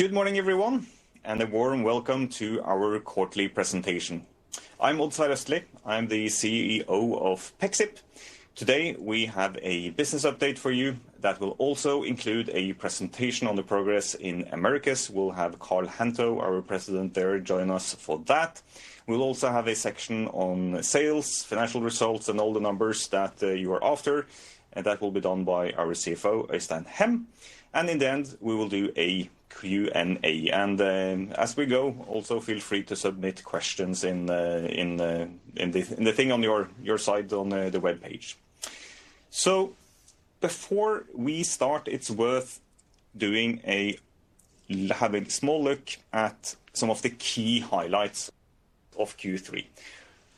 Good morning, everyone, and a warm welcome to our quarterly presentation. I'm Odd Sverre Østlie. I'm the CEO of Pexip. Today, we have a business update for you that will also include a presentation on the progress in Americas. We'll have Karl Hantho, our president there, join us for that. We'll also have a section on sales, financial results, and all the numbers that you are after, that will be done by our CFO, Øystein Hem. In the end, we will do a Q&A. As we go, also feel free to submit questions in the thing on your side on the web page. Before we start, it's worth having a small look at some of the key highlights of Q3.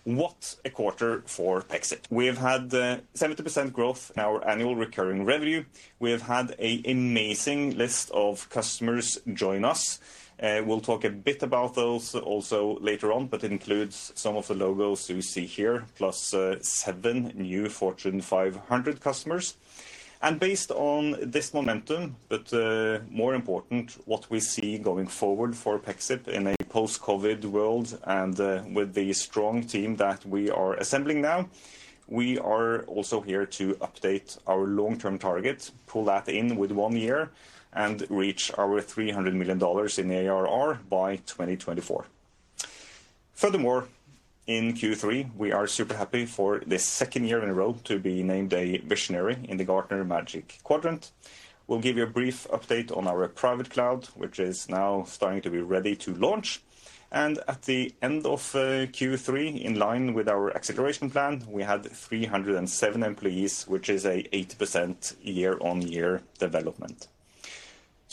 What a quarter for Pexip. We've had 70% growth in our annual recurring revenue. We've had an amazing list of customers join us. We'll talk a bit about those also later on. Includes some of the logos you see here, +7 new Fortune 500 customers. Based on this momentum, but more important, what we see going forward for Pexip in a post-COVID world and with the strong team that we are assembling now, we are also here to update our long-term target, pull that in with one year and reach our $300 million in ARR by 2024. Furthermore, in Q3, we are super happy for the second year in a row to be named a Visionary in the Gartner Magic Quadrant. We'll give you a brief update on our Private Cloud, which is now starting to be ready to launch. At the end of Q3, in line with our acceleration plan, we had 307 employees, which is a 80% year-on-year development.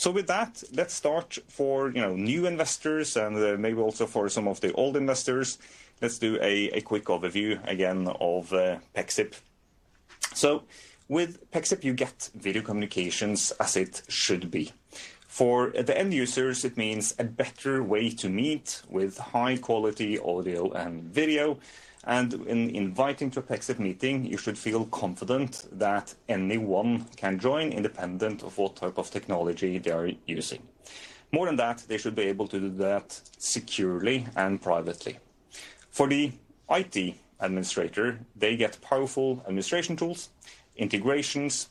With that, let's start for new investors and maybe also for some of the old investors, let's do a quick overview again of Pexip. With Pexip, you get video communications as it should be. For the end users, it means a better way to meet with high-quality audio and video. In inviting to a Pexip meeting, you should feel confident that anyone can join independent of what type of technology they are using. More than that, they should be able to do that securely and privately. For the IT Administrator, they get powerful administration tools, integrations,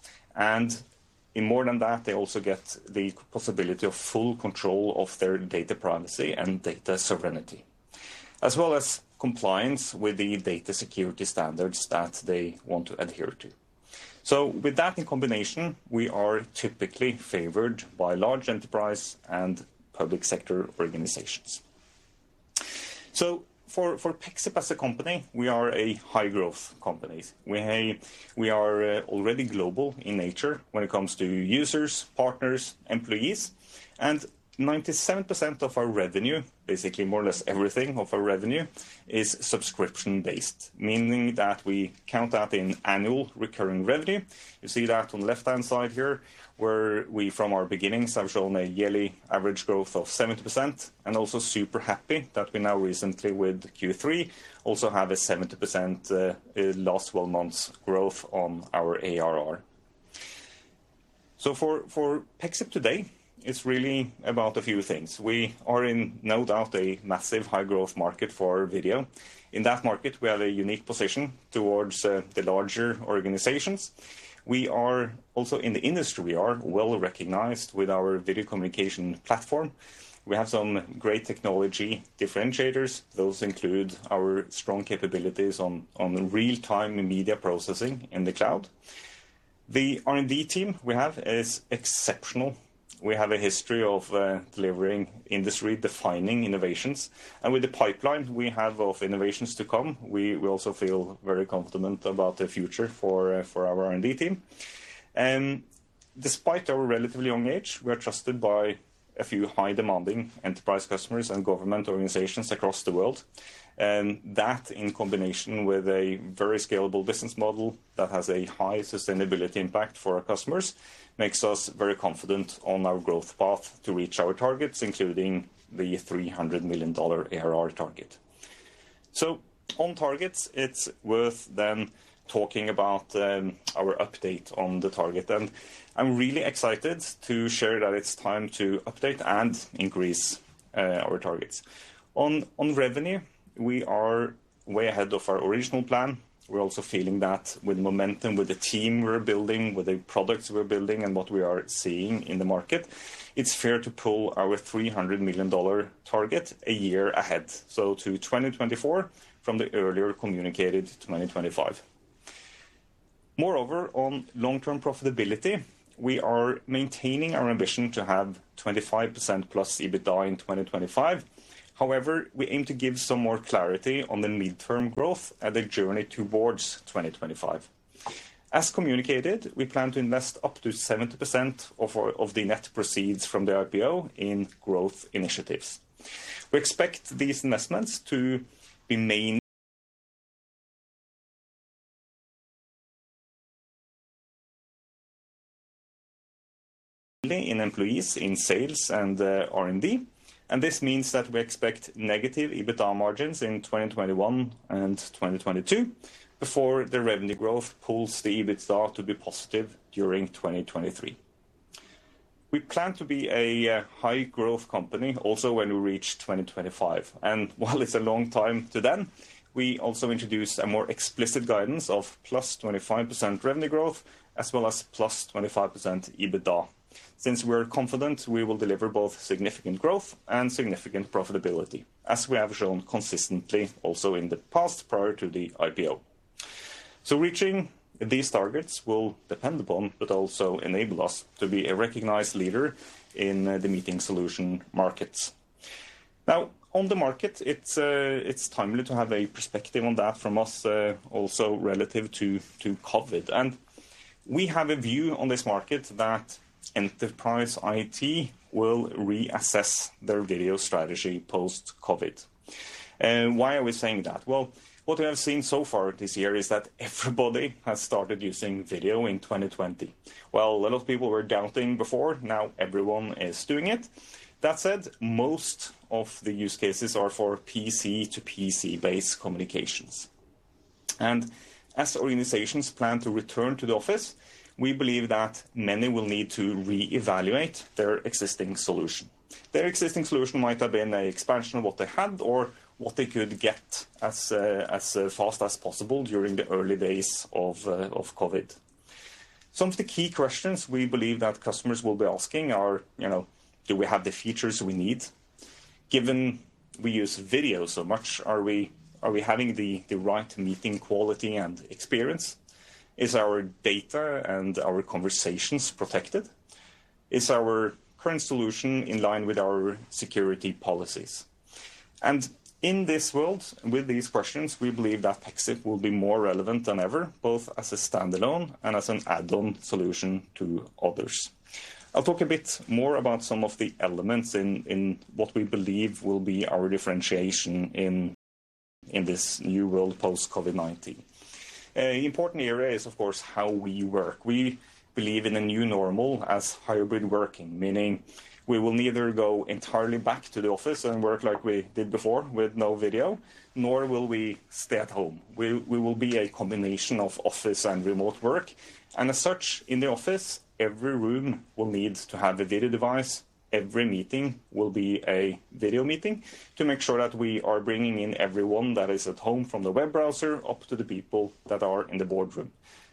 more than that, they also get the possibility of full control of their data privacy and data sovereignty, as well as compliance with the data security standards that they want to adhere to. With that in combination, we are typically favored by large enterprise and public sector organizations. For Pexip as a company, we are a high growth company. We are already global in nature when it comes to users, partners, employees, and 97% of our revenue, basically more or less everything of our revenue, is subscription-based, meaning that we count that in annual recurring revenue. You see that on the left-hand side here, where we from our beginnings have shown a yearly average growth of 70% and also super happy that we now recently with Q3, also have a 70% last 12 months growth on our ARR. For Pexip today, it's really about a few things. We are in, no doubt, a massive high growth market for video. In that market, we have a unique position towards the larger organizations. We are also in the industry, are well-recognized with our video communication platform. We have some great technology differentiators. Those include our strong capabilities on real-time media processing in the cloud. The R&D team we have is exceptional. We have a history of delivering industry-defining innovations. With the pipeline we have of innovations to come, we also feel very confident about the future for our R&D team. Despite our relatively young age, we're trusted by a few high-demanding enterprise customers and government organizations across the world. That in combination with a very scalable business model that has a high sustainability impact for our customers, makes us very confident on our growth path to reach our targets, including the $300 million ARR target. On targets, it's worth then talking about our update on the target. I'm really excited to share that it's time to update and increase our targets. On revenue, we are way ahead of our original plan. We're also feeling that with momentum, with the team we're building, with the products we're building, and what we are seeing in the market, it's fair to pull our $300 million target a year ahead, so to 2024 from the earlier communicated 2025. On long-term profitability, we are maintaining our ambition to have 25%+ EBITDA in 2025. We aim to give some more clarity on the midterm growth and the journey towards 2025. As communicated, we plan to invest up to 70% of the net proceeds from the IPO in growth initiatives. This means that we expect negative EBITDA margins in 2021 and 2022 before the revenue growth pulls the EBITDA to be positive during 2023. We plan to be a high growth company also when we reach 2025. While it's a long time to then, we also introduce a more explicit guidance of +25% revenue growth as well as +25% EBITDA. Since we're confident we will deliver both significant growth and significant profitability, as we have shown consistently also in the past prior to the IPO. Reaching these targets will depend upon, but also enable us to be a recognized leader in the meeting solution markets. Now on the market, it's timely to have a perspective on that from us, also relative to COVID-19. We have a view on this market that enterprise IT will reassess their video strategy post-COVID-19. Why are we saying that? Well, what we have seen so far this year is that everybody has started using video in 2020. Well, a lot of people were doubting before, now everyone is doing it. That said, most of the use cases are for PC-to-PC based communications. As organizations plan to return to the office, we believe that many will need to reevaluate their existing solution. Their existing solution might have been an expansion of what they had or what they could get as fast as possible during the early days of COVID. Some of the key questions we believe that customers will be asking are. Do we have the features we need? Given we use video so much, are we having the right meeting quality and experience? Is our data and our conversations protected? Is our current solution in line with our security policies? In this world with these questions, we believe that Pexip will be more relevant than ever, both as a standalone and as an add-on solution to others. I'll talk a bit more about some of the elements in what we believe will be our differentiation in this new world post COVID-19. Important area is of course how we work. We believe in a new normal as hybrid working, meaning we will neither go entirely back to the office and work like we did before with no video, nor will we stay at home. We will be a combination of office and remote work. As such in the office, every room will need to have a video device. Every meeting will be a video meeting to make sure that we are bringing in everyone that is at home from the web browser up to the people that are in the boardroom.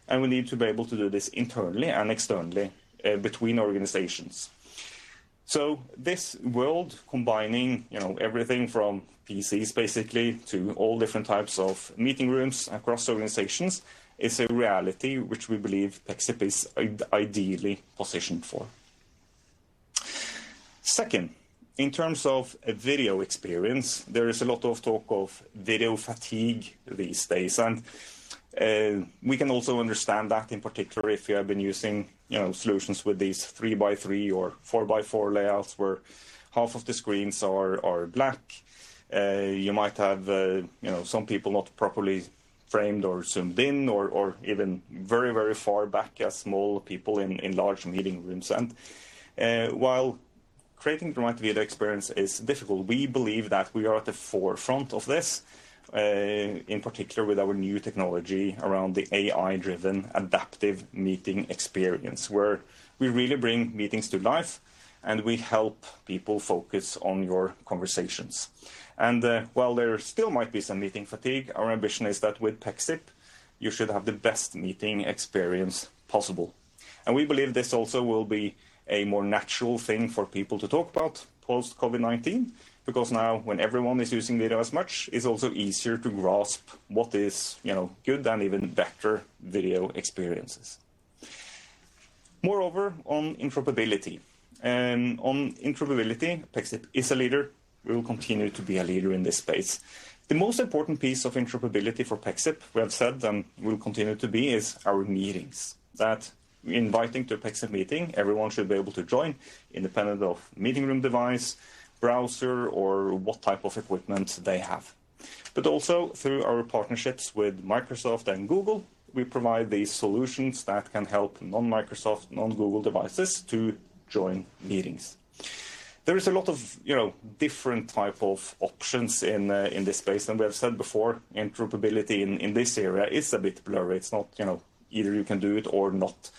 We need to be able to do this internally and externally between organizations. This world combining everything from PCs basically to all different types of meeting rooms across organizations is a reality which we believe Pexip is ideally positioned for. Second, in terms of video experience, there is a lot of talk of video fatigue these days. We can also understand that in particular if you have been using solutions with these 3x3 or 4x4 layouts where half of the screens are black. You might have some people not properly framed or zoomed in or even very, very far back as small people in large meeting rooms. While creating remote video experience is difficult, we believe that we are at the forefront of this, in particular with our new technology around the AI driven adaptive meeting experience where we really bring meetings to life and we help people focus on your conversations. While there still might be some meeting fatigue, our ambition is that with Pexip you should have the best meeting experience possible. We believe this also will be a more natural thing for people to talk about post COVID-19 because now when everyone is using video as much, it's also easier to grasp what is good and even better video experiences. Moreover on interoperability. On interoperability, Pexip is a leader. We will continue to be a leader in this space. The most important piece of interoperability for Pexip, we have said and will continue to be, is our meetings that inviting to a Pexip meeting everyone should be able to join independent of meeting room device, browser or what type of equipment they have. Also through our partnerships with Microsoft and Google, we provide these solutions that can help non-Microsoft, non-Google devices to join meetings. There is a lot of different type of options in this space and we have said before interoperability in this area is a bit blurry. It's not either you can do it or not.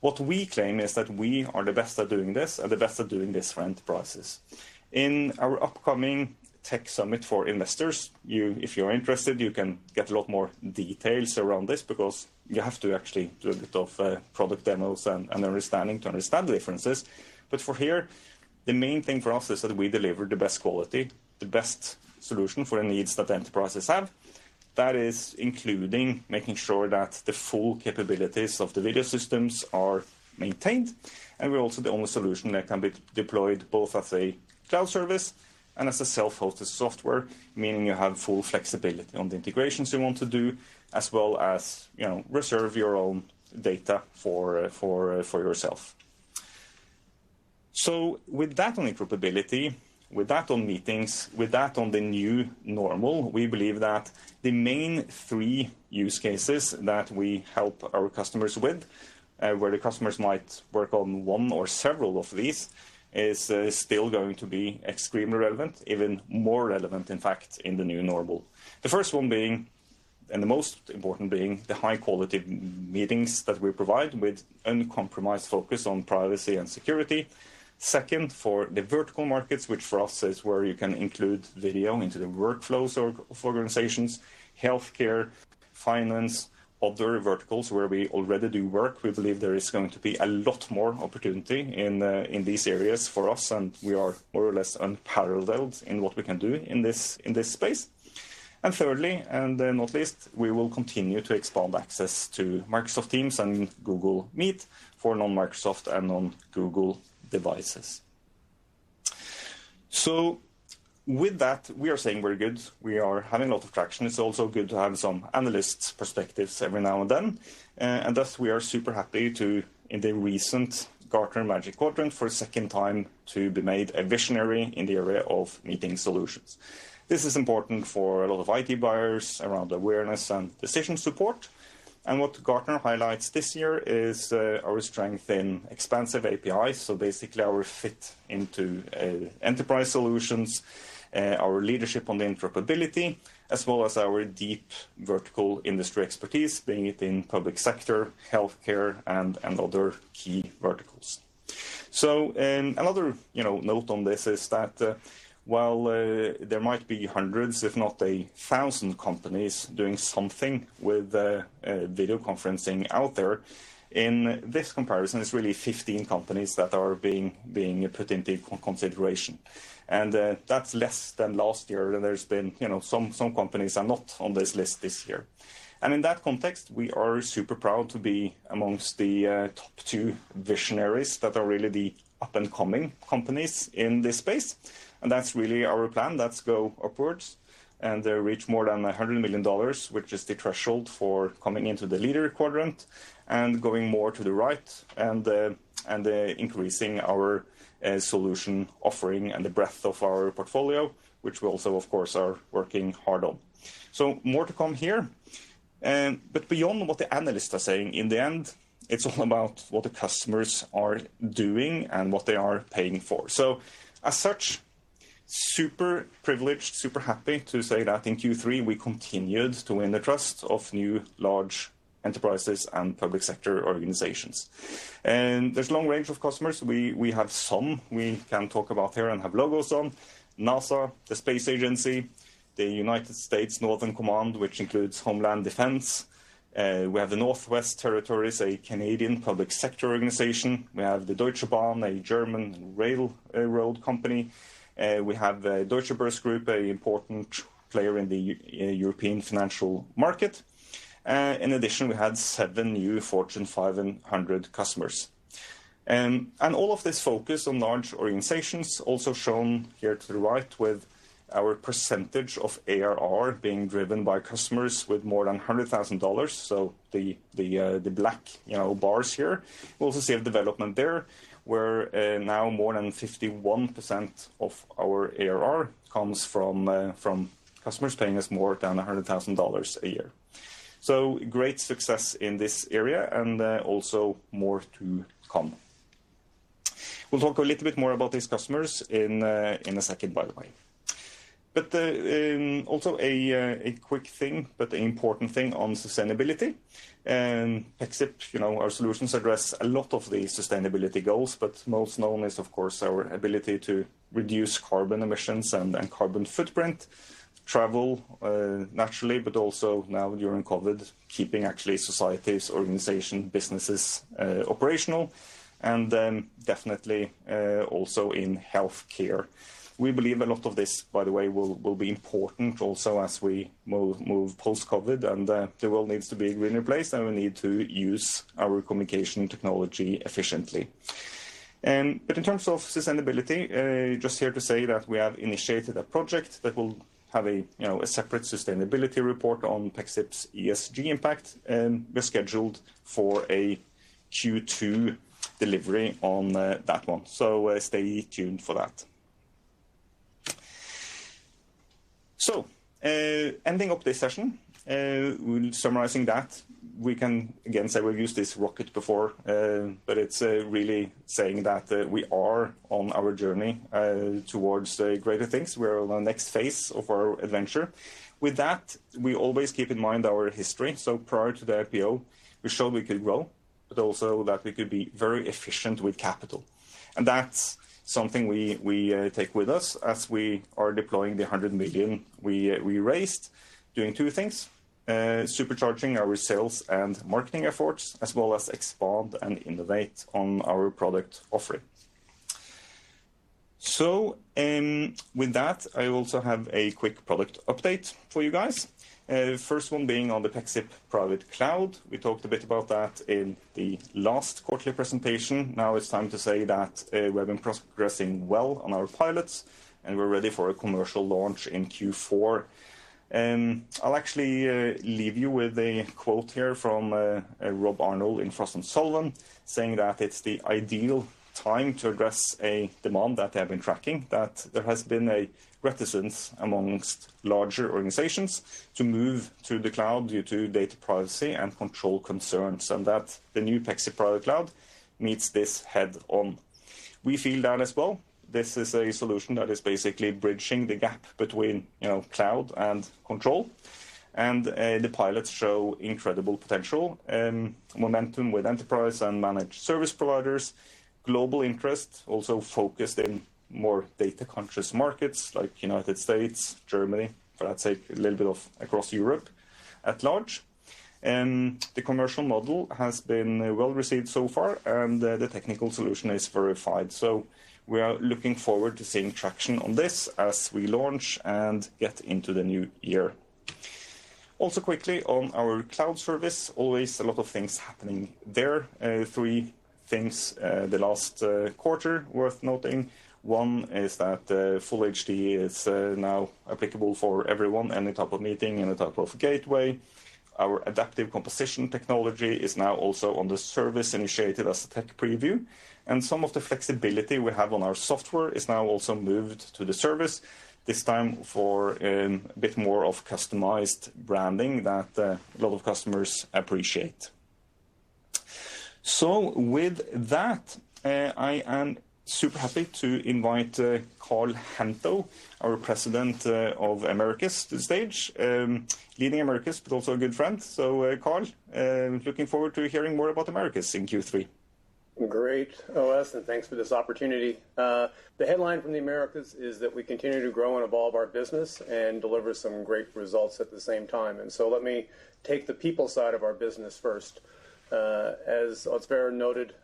What we claim is that we are the best at doing this and the best at doing this for enterprises. In our upcoming tech summit for investors, if you're interested you can get a lot more details around this because you have to actually do a bit of product demos and understanding to understand the differences. For here the main thing for us is that we deliver the best quality, the best solution for the needs that enterprises have. That is including making sure that the full capabilities of the video systems are maintained and we're also the only solution that can be deployed both as a cloud service and as a self-hosted software, meaning you have full flexibility on the integrations you want to do as well as reserve your own data for yourself. With that on interoperability, with that on meetings, with that on the new normal, we believe that the main three use cases that we help our customers with where the customers might work on one or several of these is still going to be extremely relevant, even more relevant in fact in the new normal. The first one being and the most important being the high-quality meetings that we provide with uncompromised focus on privacy and security. For the vertical markets, which for us is where you can include video into the workflows of organizations, healthcare, finance, other verticals where we already do work. We believe there is going to be a lot more opportunity in these areas for us, and we are more or less unparalleled in what we can do in this space. Thirdly, and then not least, we will continue to expand access to Microsoft Teams and Google Meet for non-Microsoft and non-Google devices. With that, we are saying we're good. We are having a lot of traction. It's also good to have some analysts' perspectives every now and then. Thus, we are super happy to, in the recent Gartner Magic Quadrant for a second time, to be made a visionary in the area of meeting solutions. This is important for a lot of IT buyers around awareness and decision support. What Gartner highlights this year is our strength in expansive APIs. Basically, our fit into enterprise solutions, our leadership on the interoperability, as well as our deep vertical industry expertise, being it in public sector, healthcare, and other key verticals. Another note on this is that while there might be hundreds, if not a thousand companies doing something with video conferencing out there, in this comparison, it's really 15 companies that are being put into consideration. That's less than last year. There's been some companies are not on this list this year. In that context, we are super proud to be amongst the top two visionaries that are really the up-and-coming companies in this space. That's really our plan. That's go upwards and reach more than $100 million, which is the threshold for coming into the Leader Quadrant and going more to the right and increasing our solution offering and the breadth of our portfolio, which we also, of course, are working hard on. More to come here. Beyond what the analysts are saying, in the end, it's all about what the customers are doing and what they are paying for. As such, super privileged, super happy to say that in Q3, we continued to win the trust of new large enterprises and public sector organizations. There's a long range of customers. We have some we can talk about here and have logos on. NASA, the space agency, the United States Northern Command, which includes Homeland Defense. We have the Northwest Territories, a Canadian public sector organization. We have the Deutsche Bahn, a German railroad company. We have Deutsche Börse Group, a important player in the European Financial Market. In addition, we had 7 new Fortune 500 customers. All of this focus on large organizations, also shown here to the right with our percentage of ARR being driven by customers with more than $100,000. The black bars here. We also see a development there, where now more than 51% of our ARR comes from customers paying us more than $100,000 a year. Great success in this area and also more to come. We'll talk a little bit more about these customers in a second, by the way. Also a quick thing, but important thing on sustainability. Pexip, our solutions address a lot of the sustainability goals, but most known is, of course, our ability to reduce carbon emissions and carbon footprint, travel, naturally, but also now during COVID, keeping actually societies, organization, businesses operational, definitely also in healthcare. We believe a lot of this, by the way, will be important also as we move post-COVID, the world needs to be a greener place, we need to use our communication technology efficiently. In terms of sustainability, just here to say that we have initiated a project that will have a separate sustainability report on Pexip's ESG impact. We're scheduled for a Q2 delivery on that one. Stay tuned for that. Ending up this session, we're summarizing that. We can again say we've used this rocket before, it's really saying that we are on our journey towards greater things. We're on the next phase of our adventure. We always keep in mind our history. Prior to the IPO, we showed we could grow, but also that we could be very efficient with capital. That's something we take with us as we are deploying the 100 million we raised doing two things, supercharging our sales and marketing efforts, as well as expand and innovate on our product offering. With that, I also have a quick product update for you guys. First one being on the Pexip Private Cloud. We talked a bit about that in the last quarterly presentation. Now it's time to say that we've been progressing well on our pilots, and we're ready for a commercial launch in Q4. I'll actually leave you with a quote here from Rob Arnold in Frost & Sullivan, saying that it's the ideal time to address a demand that they have been tracking, that there has been a reticence amongst larger organizations to move to the cloud due to data privacy and control concerns, and that the new Pexip Private Cloud meets this head-on. We feel that as well. This is a solution that is basically bridging the gap between cloud and control, and the pilots show incredible potential, momentum with enterprise and managed service providers. Global interest also focused in more data-conscious markets like U.S., Germany, but I'd say a little bit of across Europe at large. The commercial model has been well-received so far, and the technical solution is verified. We are looking forward to seeing traction on this as we launch and get into the new year. Quickly on our cloud service, always a lot of things happening there. Three things the last quarter worth noting. One is that full HD is now applicable for everyone, any type of meeting, any type of gateway. Our adaptive composition technology is now also on the service, initiated as a tech preview, and some of the flexibility we have on our software is now also moved to the service, this time for a bit more of customized branding that a lot of customers appreciate. With that, I am super happy to invite Karl Hantho, our President of Americas, to the stage. Leading Americas, but also a good friend. Karl, looking forward to hearing more about Americas in Q3. Great, Odd, thanks for this opportunity. The headline from the Americas is that we continue to grow and evolve our business and deliver some great results at the same time. Let me take the people side of our business first. As Odd Sverre noted,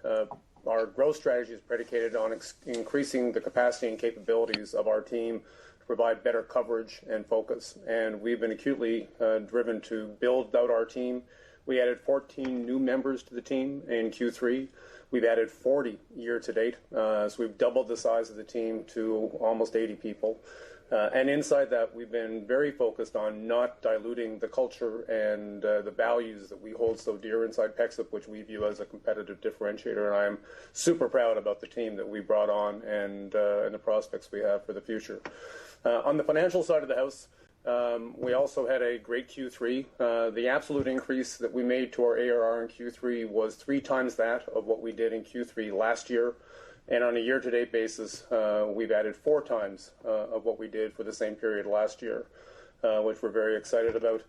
our growth strategy is predicated on increasing the capacity and capabilities of our team to provide better coverage and focus. We've been acutely driven to build out our team. We added 14 new members to the team in Q3. We've added 40 year to date. We've doubled the size of the team to almost 80 people. Inside that, we've been very focused on not diluting the culture and the values that we hold so dear inside Pexip, which we view as a competitive differentiator, I am super proud about the team that we brought on, and the prospects we have for the future. On the financial side of the house, we also had a great Q3. The absolute increase that we made to our ARR in Q3 was 3x that of what we did in Q3 last year. On a year-to-date basis, we've added four times of what we did for the same period last year, which we're very excited about.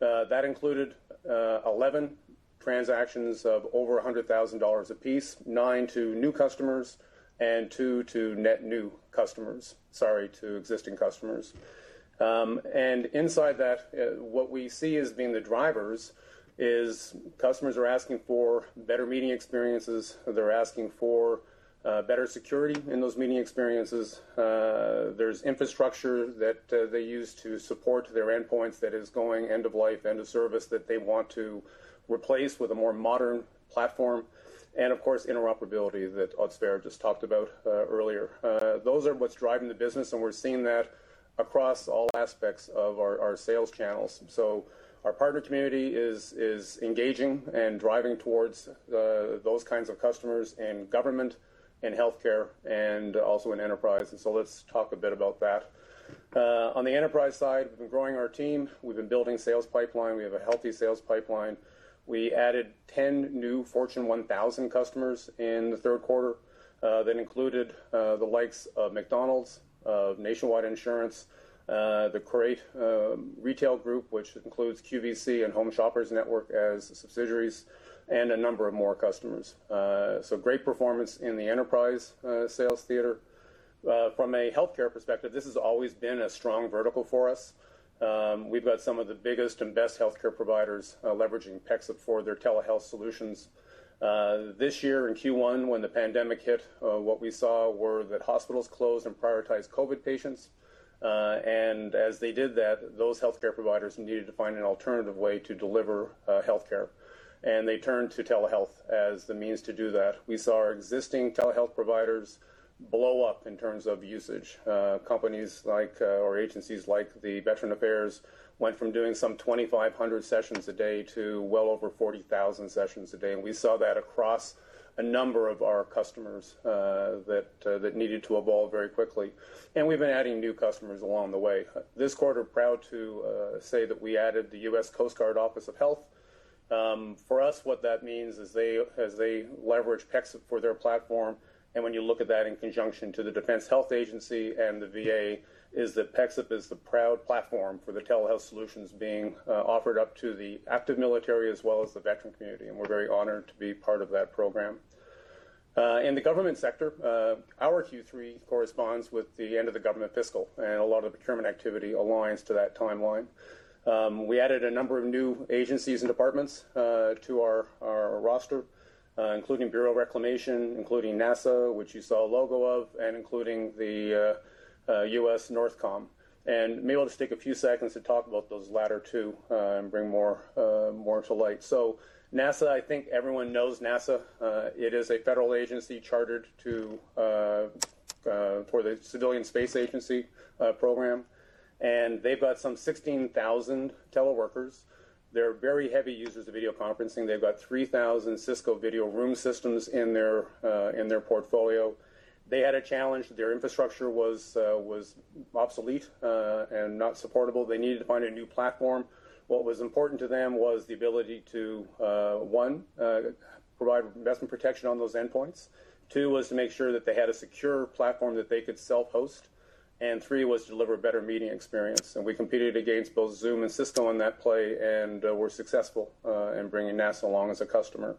That included 11 transactions of over NOK 100,000 a piece, nine to new customers and two to existing customers. Inside that, what we see as being the drivers is customers are asking for better meeting experiences. They're asking for better security in those meeting experiences. There's infrastructure that they use to support their endpoints that is going end of life, end of service that they want to replace with a more modern platform and, of course, interoperability that Odd Sverre just talked about earlier. Those are what's driving the business, and we're seeing that across all aspects of our sales channels. Our partner community is engaging and driving towards those kinds of customers in government, in healthcare, and also in enterprise. Let's talk a bit about that. On the enterprise side, we've been growing our team. We've been building sales pipeline. We have a healthy sales pipeline. We added 10 new Fortune 1000 customers in the third quarter. That included the likes of McDonald's, Nationwide Insurance, the Qurate Retail Group, which includes QVC and Home Shopping Network as subsidiaries, a number of more customers. Great performance in the enterprise sales theater. From a healthcare perspective, this has always been a strong vertical for us. We've got some of the biggest and best healthcare providers leveraging Pexip for their telehealth solutions. This year in Q1 when the pandemic hit, what we saw were that hospitals closed and prioritized COVID patients. As they did that, those healthcare providers needed to find an alternative way to deliver healthcare, and they turned to telehealth as the means to do that. We saw our existing telehealth providers blow up in terms of usage. Companies like, or agencies like the Veteran Affairs went from doing some 2,500 sessions a day to well over 40,000 sessions a day. We saw that across a number of our customers that needed to evolve very quickly. We've been adding new customers along the way. This quarter, proud to say that we added the U.S. Coast Guard Office of Health. For us, what that means is they leverage Pexip for their platform, and when you look at that in conjunction to the Defense Health Agency and the VA, is that Pexip is the proud platform for the telehealth solutions being offered up to the active military as well as the veteran community, and we're very honored to be part of that program. In the government sector, our Q3 corresponds with the end of the government fiscal. A lot of procurement activity aligns to that timeline. We added a number of new agencies and departments to our roster, including Bureau of Reclamation, including NASA, which you saw a logo of, and including the USNORTHCOM. May well just take a few seconds to talk about those latter two, and bring more to light. NASA, I think everyone knows NASA. It is a federal agency chartered for the civilian space agency program, and they've got some 16,000 teleworkers. They're very heavy users of video conferencing. They've got 3,000 Cisco video room systems in their portfolio. They had a challenge. Their infrastructure was obsolete, and not supportable. They needed to find a new platform. What was important to them was the ability to, one, provide investment protection on those endpoints. Two was to make sure that they had a secure platform that they could self-host. Three was to deliver a better meeting experience. We competed against both Zoom and Cisco on that play and were successful in bringing NASA along as a customer.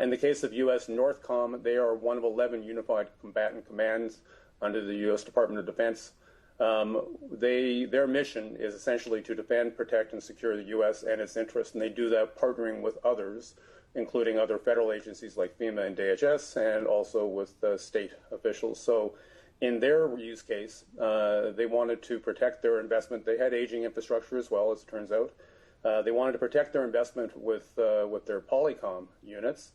In the case of U.S. NORTHCOM, they are one of 11 unified combatant commands under the U.S. Department of Defense. Their mission is essentially to defend, protect, and secure the U.S. and its interests, and they do that partnering with others, including other federal agencies like FEMA and DHS, and also with the state officials. In their use case, they wanted to protect their investment. They had aging infrastructure as well as it turns out. They wanted to protect their investment with their Polycom units.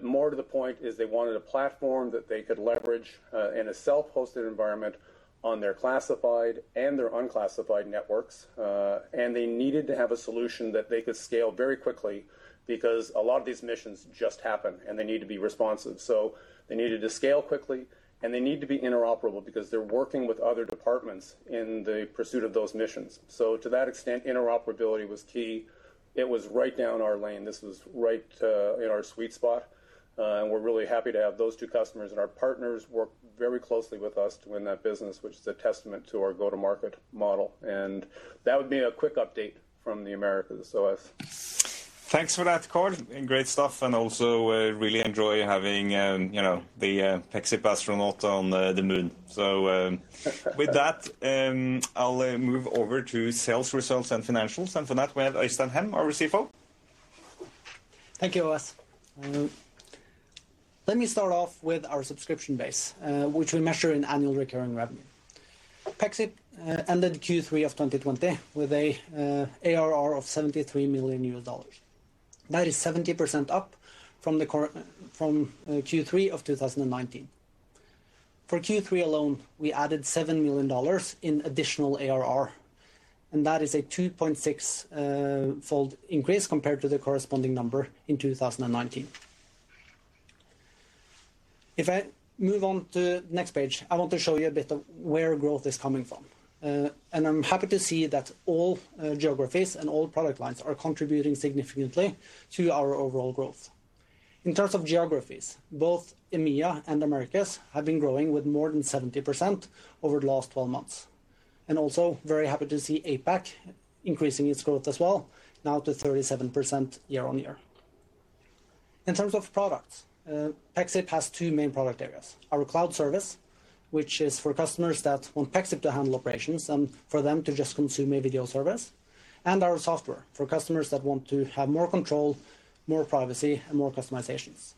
More to the point is they wanted a platform that they could leverage in a self-hosted environment on their classified and their unclassified networks. They needed to have a solution that they could scale very quickly because a lot of these missions just happen, and they need to be responsive. They needed to scale quickly, and they need to be interoperable because they're working with other departments in the pursuit of those missions. To that extent, interoperability was key. It was right down our lane. This was right in our sweet spot. We're really happy to have those two customers, and our partners work very closely with us to win that business, which is a testament to our go-to-market model. That would be a quick update from the Americas, so I. Thanks for that, Karl, great stuff. Also really enjoy having the Pexip Astronaut on the moon. With that, I'll move over to sales results and financials, and for that we have Øystein Hem, our CFO. Thank you, OS. Let me start off with our subscription base, which we measure in annual recurring revenue. Pexip ended Q3 of 2020 with a ARR of $73 million. That is 70% up from Q3 of 2019. For Q3 alone, we added $7 million in additional ARR, and that is a 2.6 fold increase compared to the corresponding number in 2019. If I move on to the next page, I want to show you a bit of where growth is coming from. I'm happy to see that all geographies and all product lines are contributing significantly to our overall growth. In terms of geographies, both EMEA and Americas have been growing with more than 70% over the last 12 months. Also very happy to see APAC increasing its growth as well, now to 37% year-on-year. In terms of products, Pexip has two main product areas. Our cloud service, which is for customers that want Pexip to handle operations and for them to just consume a video service, and our software for customers that want to have more control, more privacy, and more customizations.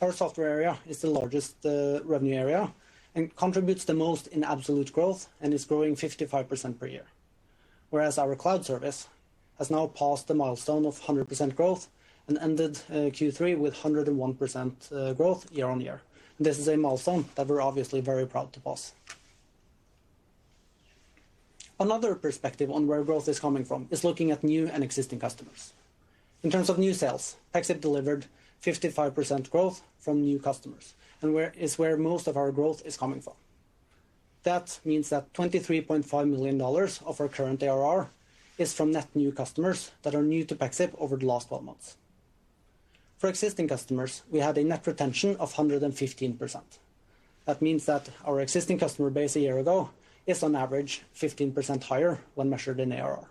Our software area is the largest revenue area and contributes the most in absolute growth and is growing 55% per year. Whereas our cloud service has now passed the milestone of 100% growth and ended Q3 with 101% growth year-over-year. This is a milestone that we're obviously very proud to pass. Another perspective on where growth is coming from is looking at new and existing customers. In terms of new sales, Pexip delivered 55% growth from new customers and is where most of our growth is coming from. That means that $23.5 million of our current ARR is from net new customers that are new to Pexip over the last 12 months. For existing customers, we had a net retention of 115%. That means that our existing customer base a year ago is on average 15% higher when measured in ARR.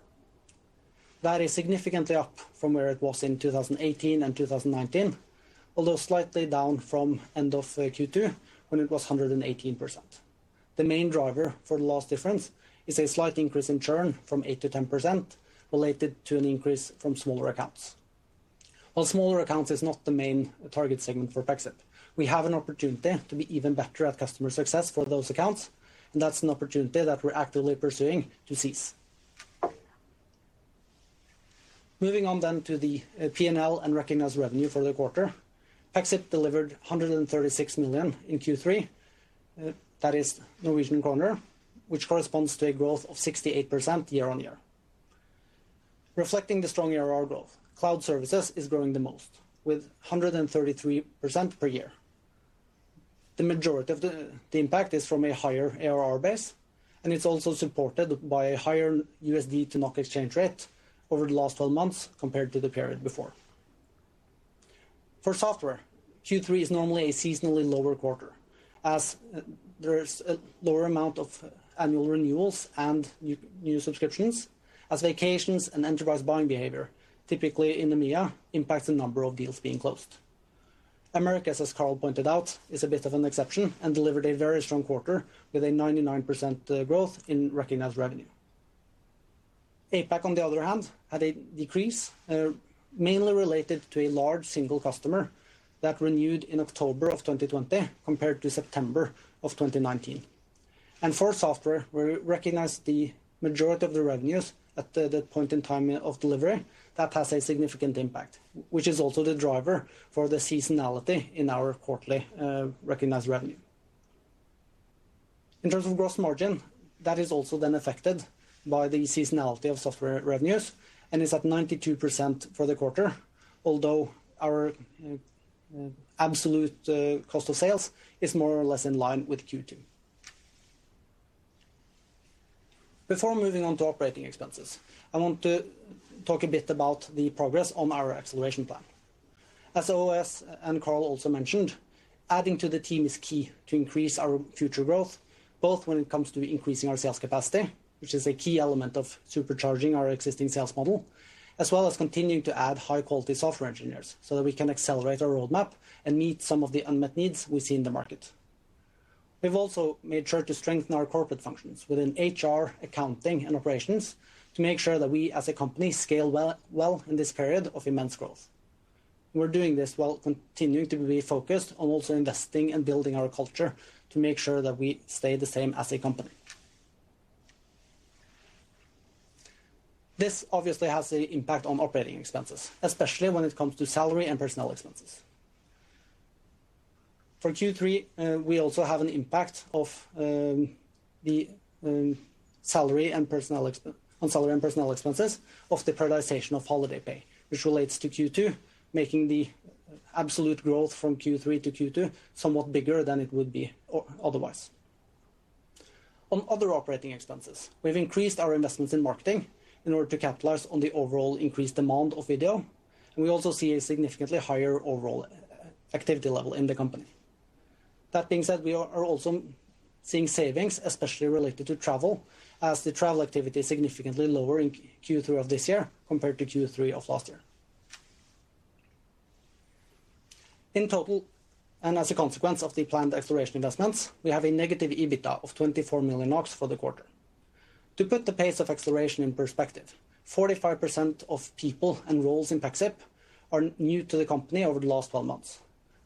That is significantly up from where it was in 2018 and 2019, although slightly down from end of Q2 when it was 118%. The main driver for the last difference is a slight increase in churn from 8%-10% related to an increase from smaller accounts. While smaller accounts is not the main target segment for Pexip, we have an opportunity to be even better at customer success for those accounts. That's an opportunity that we're actively pursuing to cease. Moving on to the P&L and recognized revenue for the quarter. Pexip delivered 136 million in Q3, that is Norwegian kroner, which corresponds to a growth of 68% year-on-year. Reflecting the strong ARR growth, cloud services is growing the most with 133% per year. The majority of the impact is from a higher ARR base, and it's also supported by a higher USD to NOK exchange rate over the last 12 months compared to the period before. For software, Q3 is normally a seasonally lower quarter, as there is a lower amount of annual renewals and new subscriptions as vacations and enterprise buying behavior, typically in EMEA, impacts the number of deals being closed. Americas, as Karl Hantho pointed out, is a bit of an exception and delivered a very strong quarter with a 99% growth in recognized revenue. APAC, on the other hand, had a decrease, mainly related to a large single customer that renewed in October of 2020 compared to September of 2019. For software, we recognize the majority of the revenues at the point in time of delivery, that has a significant impact, which is also the driver for the seasonality in our quarterly recognized revenue. In terms of gross margin, that is also then affected by the seasonality of software revenues and is at 92% for the quarter, although our absolute cost of sales is more or less in line with Q2. Before moving on to operating expenses, I want to talk a bit about the progress on our acceleration plan. As always, and Karl also mentioned, adding to the team is key to increase our future growth, both when it comes to increasing our sales capacity, which is a key element of supercharging our existing sales model, as well as continuing to add high-quality software engineers, so that we can accelerate our roadmap and meet some of the unmet needs we see in the market. We've also made sure to strengthen our corporate functions within HR, accounting, and operations to make sure that we, as a company, scale well in this period of immense growth. We're doing this while continuing to be focused on also investing in building our culture to make sure that we stay the same as a company. This obviously has an impact on operating expenses, especially when it comes to salary and personnel expenses. For Q3, we also have an impact on salary and personnel expenses of the periodization of holiday pay, which relates to Q2, making the absolute growth from Q3 to Q2 somewhat bigger than it would be otherwise. Other operating expenses, we've increased our investments in marketing in order to capitalize on the overall increased demand of video, and we also see a significantly higher overall activity level in the company. That being said, we are also seeing savings, especially related to travel, as the travel activity is significantly lower in Q3 of this year compared to Q3 of last year. In total, as a consequence of the planned acceleration investments, we have a negative EBITDA of 24 million NOK for the quarter. To put the pace of acceleration in perspective, 45% of people and roles in Pexip are new to the company over the last 12 months.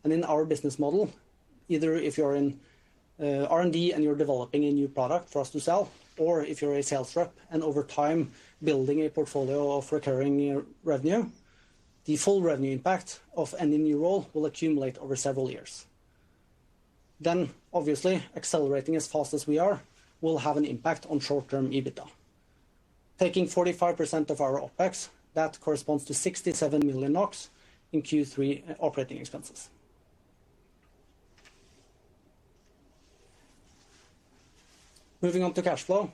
In our business model, either if you're in R&D and you're developing a new product for us to sell, or if you're a sales rep and over time building a portfolio of recurring revenue, the full revenue impact of any new role will accumulate over several years. Obviously, accelerating as fast as we are will have an impact on short-term EBITDA. Taking 45% of our OpEx, that corresponds to 67 million NOK in Q3 operating expenses. Moving on to cash flow.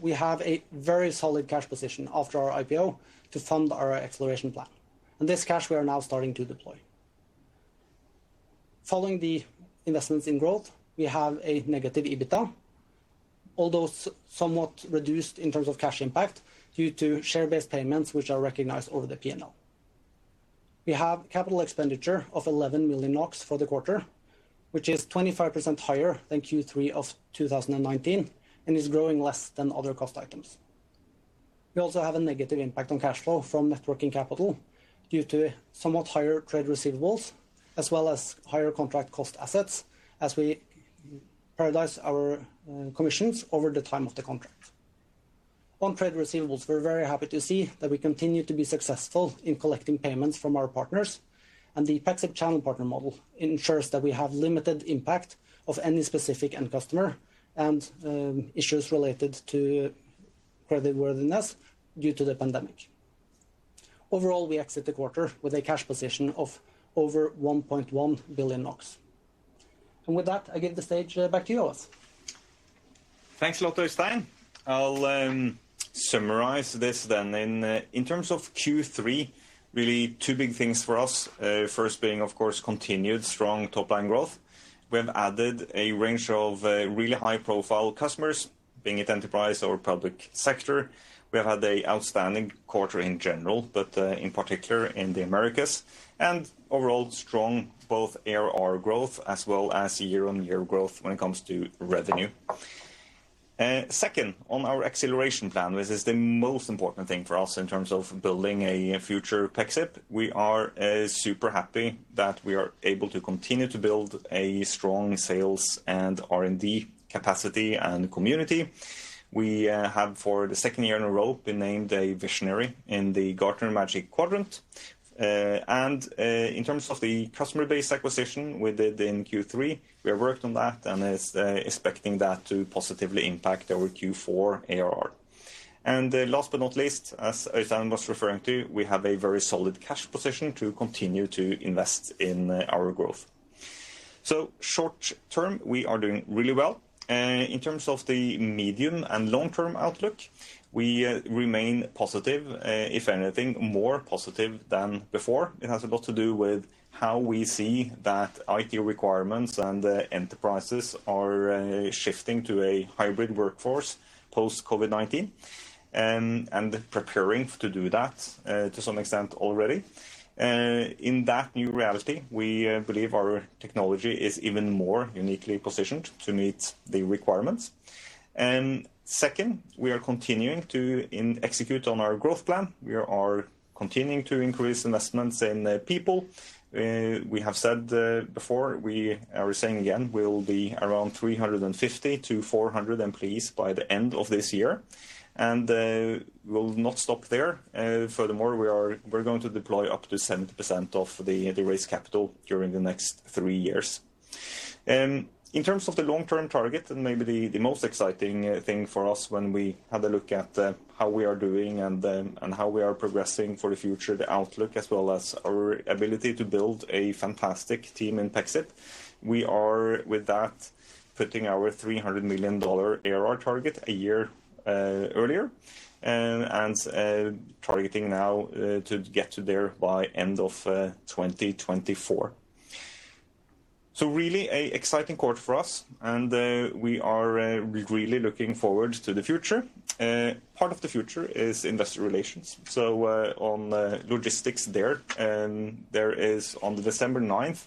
We have a very solid cash position after our IPO to fund our acceleration plan. This cash we are now starting to deploy. Following the investments in growth, we have a negative EBITDA, although somewhat reduced in terms of cash impact, due to share-based payments, which are recognized over the P&L. We have capital expenditure of 11 million NOK for the quarter, which is 25% higher than Q3 of 2019 and is growing less than other cost items. We also have a negative impact on cash flow from net working capital due to somewhat higher trade receivables, as well as higher contract cost assets as we periodize our commissions over the time of the contract. On trade receivables, we are very happy to see that we continue to be successful in collecting payments from our partners. The Pexip channel partner model ensures that we have limited impact of any specific end customer and issues related to creditworthiness due to the pandemic. Overall, we exit the quarter with a cash position of over 1.1 billion NOK. With that, I give the stage back to you, OS. Thanks a lot, Øystein. I'll summarize this then. In terms of Q3, really two big things for us. First being, of course, continued strong top-line growth. We have added a range of really high-profile customers, being it enterprise or public sector. We have had an outstanding quarter in general, but in particular in the Americas. Overall strong both ARR growth as well as year-on-year growth when it comes to revenue. Second, on our acceleration plan, this is the most important thing for us in terms of building a future Pexip. We are super happy that we are able to continue to build a strong sales and R&D capacity and community. We have, for the second year in a row, been named a visionary in the Gartner Magic Quadrant. In terms of the customer base acquisition we did in Q3, we have worked on that and is expecting that to positively impact our Q4 ARR. Last but not least, as Øystein was referring to, we have a very solid cash position to continue to invest in our growth. Short-term, we are doing really well. In terms of the medium and long-term outlook, we remain positive, if anything, more positive than before. It has a lot to do with how we see that IT requirements and enterprises are shifting to a hybrid workforce post-COVID-19, and preparing to do that to some extent already. In that new reality, we believe our technology is even more uniquely positioned to meet the requirements. Second, we are continuing to execute on our growth plan. We are continuing to increase investments in people. We have said before, we are saying again, we will be around 350-400 employees by the end of this year, and we will not stop there. Furthermore, we're going to deploy up to 70% of the raised capital during the next three years. In terms of the long-term target, and maybe the most exciting thing for us when we have a look at how we are doing and how we are progressing for the future, the outlook, as well as our ability to build a fantastic team in Pexip. We are, with that, putting our $300 million ARR target a year earlier and targeting now to get to there by end of 2024. Really an exciting quarter for us, and we are really looking forward to the future. Part of the future is investor relations. On logistics there, on December 9th,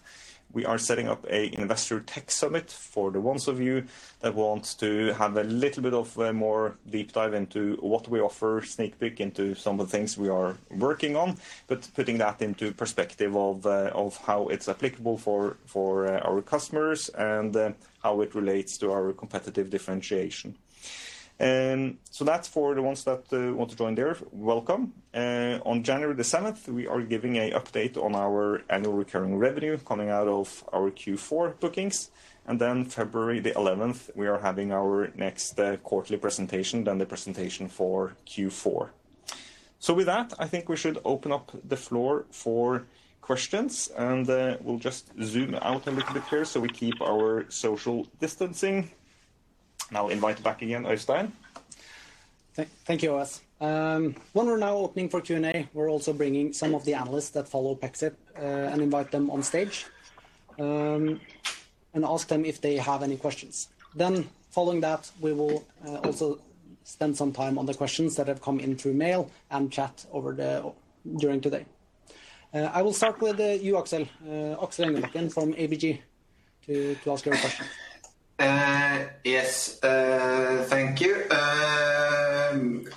we are setting up a investor tech summit for the ones of you that want to have a little bit of a more deep dive into what we offer, sneak peek into some of the things we are working on, but putting that into perspective of how it's applicable for our customers and how it relates to our competitive differentiation. That's for the ones that want to join there, welcome. On January the 7th, we are giving a update on our annual recurring revenue coming out of our Q4 bookings. February the 11th, we are having our next quarterly presentation, then the presentation for Q4. With that, I think we should open up the floor for questions, and we'll just zoom out a little bit here so we keep our social distancing. Now invite back again, Øystein. Thank you, OS. We're now opening for Q&A, we're also bringing some of the analysts that follow Pexip, and invite them on stage, and ask them if they have any questions. Following that, we will also spend some time on the questions that have come in through mail and chat during today. I will start with you, Aksel. Aksel Engebakken from ABG, to ask your question. Yes, thank you.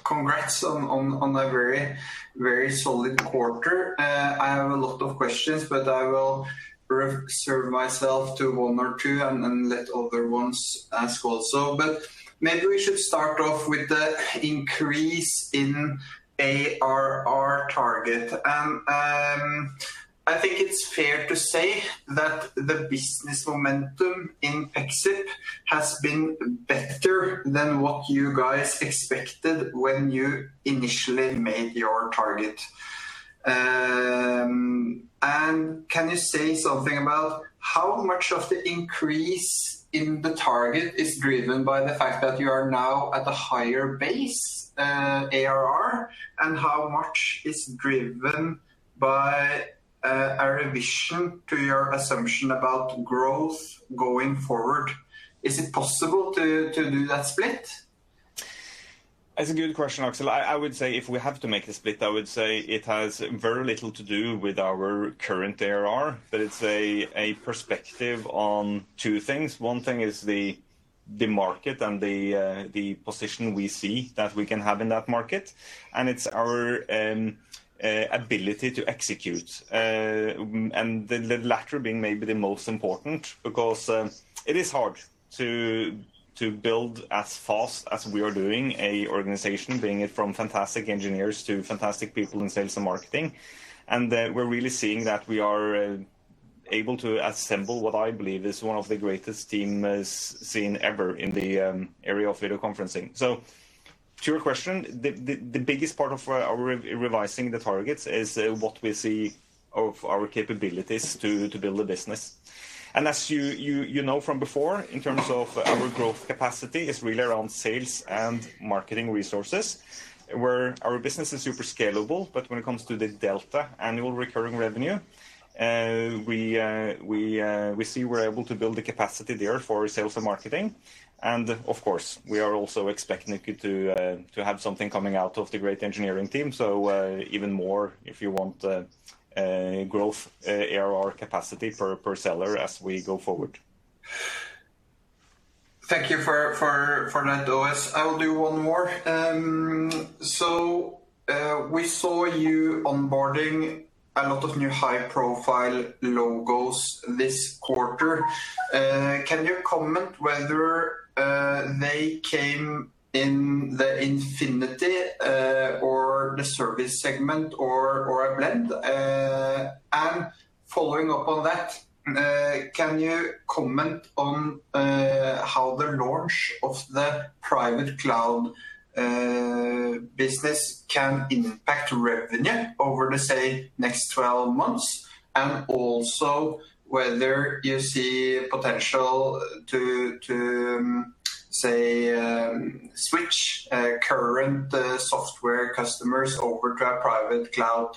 Congrats on a very solid quarter. I have a lot of questions. I will reserve myself to one or two and then let other ones ask also. Maybe we should start off with the increase in ARR target. I think it's fair to say that the business momentum in Pexip has been better than what you guys expected when you initially made your target. Can you say something about how much of the increase in the target is driven by the fact that you are now at a higher base, ARR, and how much is driven by a revision to your assumption about growth going forward? Is it possible to do that split? That's a good question, Aksel. I would say if we have to make the split, I would say it has very little to do with our current ARR, but it's a perspective on two things. One thing is the market and the position we see that we can have in that market, and it's our ability to execute. The latter being maybe the most important because it is hard to build as fast as we are doing an organization, being it from fantastic engineers to fantastic people in sales and marketing. We're really seeing that we are able to assemble what I believe is one of the greatest teams seen ever in the area of video conferencing. To your question, the biggest part of our revising the targets is what we see of our capabilities to build a business. As you know from before, in terms of our growth capacity, is really around sales and marketing resources, where our business is super scalable. When it comes to the delta annual recurring revenue, we see we're able to build the capacity there for sales and marketing. Of course, we are also expecting it to have something coming out of the great engineering team. Even more if you want growth ARR capacity per seller as we go forward. Thank you for that, OS. I will do one more. We saw you onboarding a lot of new high-profile logos this quarter. Can you comment whether they came in the Infinity or the service segment or a blend? Following up on that, can you comment on how the launch of the Private Cloud business can impact revenue over the, say, next 12 months? Also whether you see potential to, say, switch current software customers over to our Private Cloud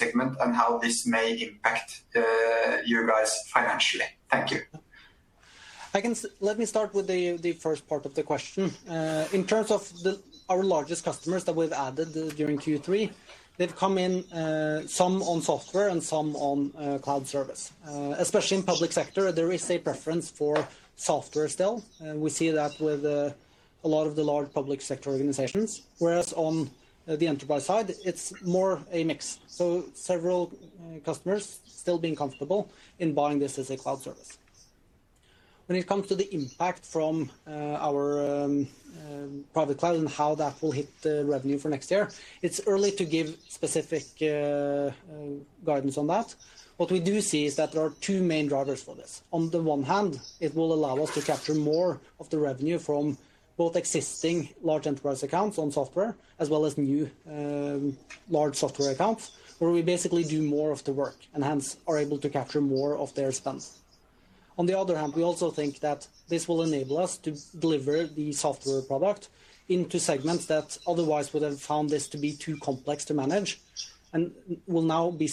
segment and how this may impact you guys financially. Thank you. Let me start with the first part of the question. In terms of our largest customers that we've added during Q3, they've come in some on software and some on cloud service. Especially in public sector, there is a preference for software still. We see that with a lot of the large public sector organizations. Whereas on the enterprise side, it's more a mix. So several customers still being comfortable in buying this as a cloud service. When it comes to the impact from our Private Cloud and how that will hit the revenue for next year, it's early to give specific guidance on that. What we do see is that there are two main drivers for this. On the one hand, it will allow us to capture more of the revenue from both existing large enterprise accounts on software, as well as new large software accounts, where we basically do more of the work and hence are able to capture more of their spend. On the other hand, we also think that this will enable us to deliver the software product into segments that otherwise would have found this to be too complex to manage, and will now be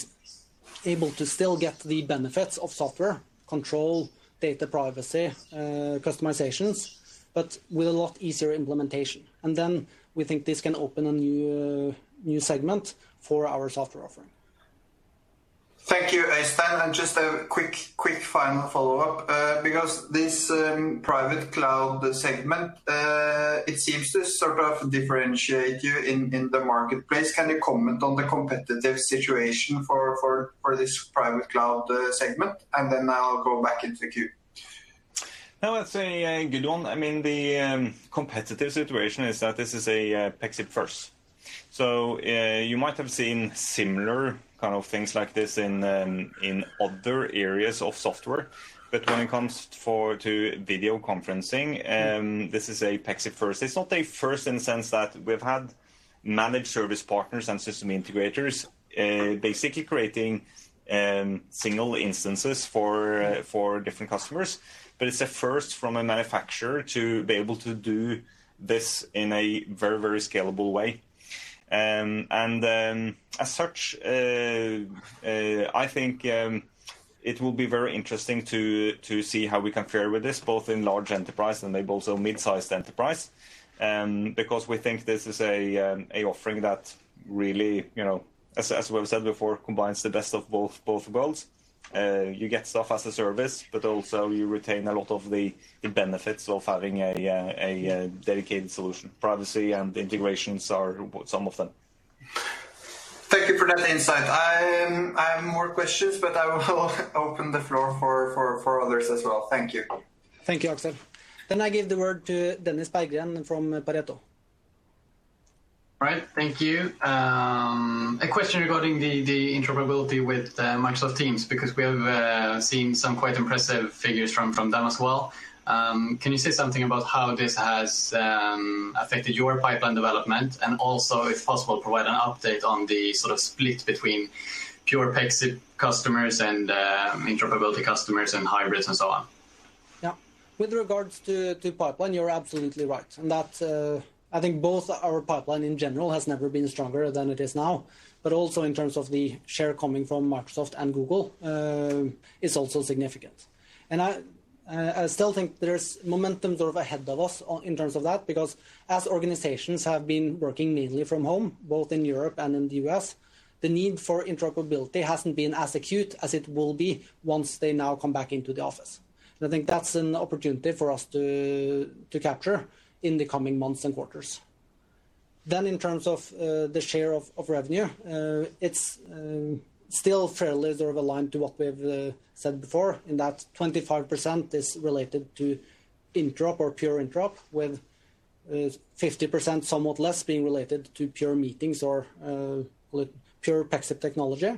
able to still get the benefits of software, control, data privacy, customizations, but with a lot easier implementation. We think this can open a new segment for our software offering. Thank you, Øystein. Just a quick final follow-up, because this Private Cloud segment, it seems to sort of differentiate you in the marketplace. Can you comment on the competitive situation for this Private Cloud segment? I'll go back into the queue. I'd say, Gudon, the competitive situation is that this is a Pexip first. You might have seen similar kind of things like this in other areas of software. When it comes to video conferencing, this is a Pexip first. It's not a first in the sense that we've had managed service partners and system integrators basically creating single instances for different customers. It's a first from a manufacturer to be able to do this in a very scalable way. As such, I think it will be very interesting to see how we can fare with this, both in large enterprise and maybe also mid-sized enterprise. We think this is a offering that really, as we've said before, combines the best of both worlds. You get stuff as a service, but also you retain a lot of the benefits of having a dedicated solution. Privacy and integrations are some of them. Thank you for that insight. I have more questions, but I will open the floor for others as well. Thank you. Thank you, Aksel. I give the word to Dennis Berggren from Pareto. Right. Thank you. A question regarding the interoperability with Microsoft Teams, because we have seen some quite impressive figures from them as well. Can you say something about how this has affected your pipeline development and also, if possible, provide an update on the sort of split between pure Pexip customers and interoperability customers and hybrids and so on? Yeah. With regards to pipeline, you're absolutely right in that, I think both our pipeline in general has never been stronger than it is now, but also in terms of the share coming from Microsoft and Google, is also significant. I still think there's momentum sort of ahead of us in terms of that, because as organizations have been working mainly from home, both in Europe and in the U.S., the need for interoperability hasn't been as acute as it will be once they now come back into the office. I think that's an opportunity for us to capture in the coming months and quarters. In terms of the share of revenue, it's still fairly aligned to what we've said before, in that 25% is related to interop or pure interop, with 50%, somewhat less being related to pure meetings or Pure Pexip technology.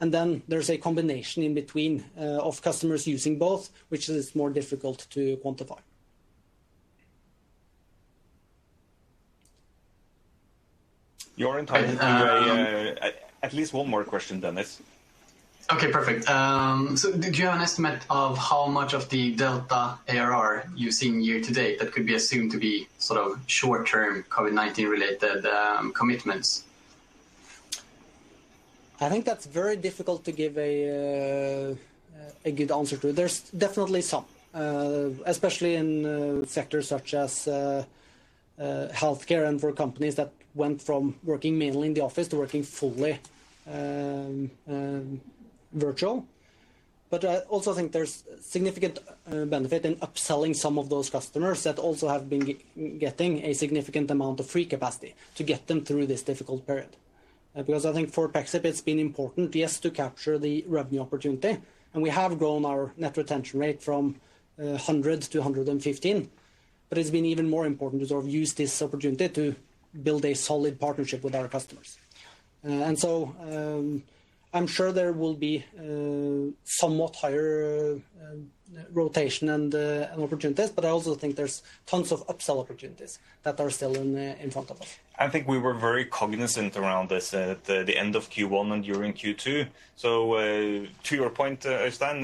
There's a combination in between of customers using both, which is more difficult to quantify. You're entitled to at least one more question, Dennis. Okay, perfect. Do you have an estimate of how much of the Delta ARR you're seeing year to date that could be assumed to be short-term COVID-19 related commitments? I think that's very difficult to give a good answer to. There's definitely some, especially in sectors such as healthcare and for companies that went from working mainly in the office to working fully virtual. I also think there's significant benefit in upselling some of those customers that also have been getting a significant amount of free capacity to get them through this difficult period. I think for Pexip, it's been important, yes, to capture the revenue opportunity, and we have grown our net retention rate from 100-115, but it's been even more important to sort of use this opportunity to build a solid partnership with our customers. I'm sure there will be somewhat higher rotation and opportunities, but I also think there's tons of upsell opportunities that are still in front of us. I think we were very cognizant around this at the end of Q1 and during Q2. To your point, Øystein,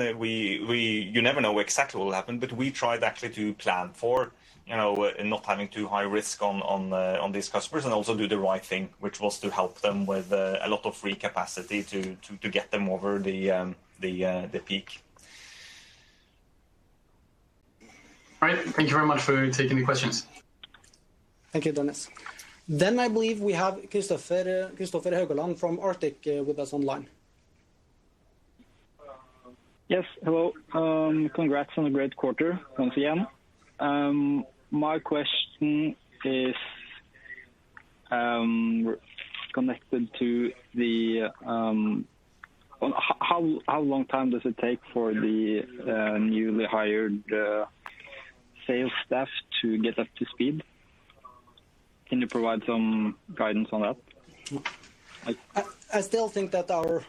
you never know exactly what will happen, but we tried actually to plan for not having too high risk on these customers and also do the right thing, which was to help them with a lot of free capacity to get them over the peak. Right. Thank you very much for taking the questions. Thank you, Dennis. I believe we have Kristoffer Haugeland from Arctic with us online. Yes, hello. Congrats on a great quarter once again. My question is connected to, how long time does it take for the newly hired sales staff to get up to speed? Can you provide some guidance on that? I still think that our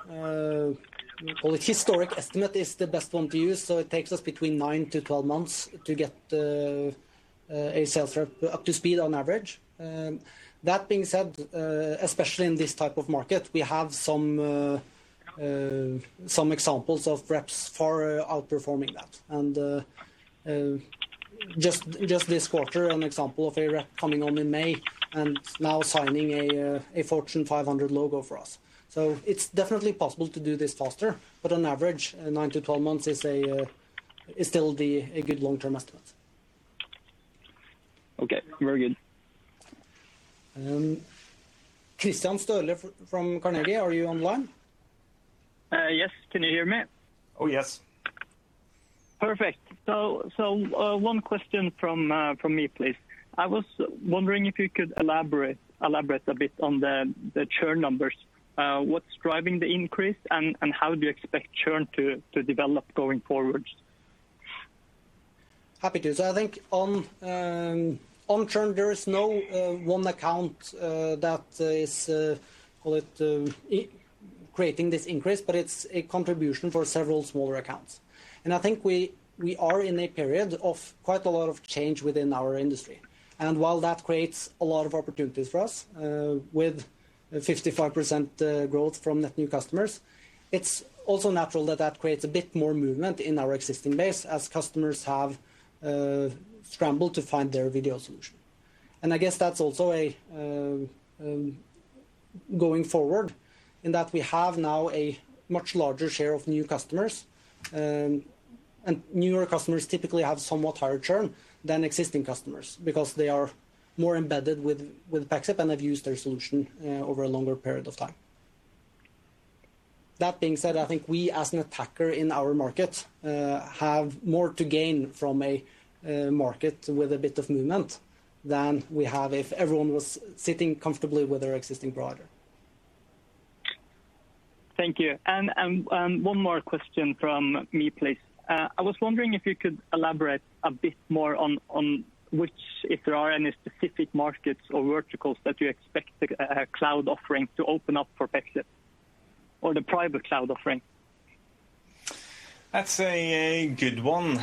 historic estimate is the best one to use. It takes us between 9-12 months to get a sales rep up to speed on average. That being said, especially in this type of market, we have some examples of reps far outperforming that. Just this quarter, an example of a rep coming on in May and now signing a Fortune 500 logo for us. It's definitely possible to do this faster, but on average, 9-12 months is still a good long-term estimate. Okay, very good. Kristian Støle from Carnegie, are you online? Yes, can you hear me? Oh, yes. Perfect. One question from me, please. I was wondering if you could elaborate a bit on the churn numbers. What's driving the increase, and how do you expect churn to develop going forward? Happy to. I think on churn, there is no one account that is, call it, creating this increase, but it's a contribution for several smaller accounts. I think we are in a period of quite a lot of change within our industry. While that creates a lot of opportunities for us, with 55% growth from net new customers, it's also natural that that creates a bit more movement in our existing base as customers have scrambled to find their video solution. I guess that's also going forward, in that we have now a much larger share of new customers. Newer customers typically have somewhat higher churn than existing customers because they are more embedded with Pexip and have used their solution over a longer period of time. That being said, I think we, as an attacker in our market, have more to gain from a market with a bit of movement than we have if everyone was sitting comfortably with their existing provider. Thank you. One more question from me, please. I was wondering if you could elaborate a bit more on which, if there are any specific markets or verticals that you expect a cloud offering to open up for Pexip or the Private Cloud offering. That's a good one.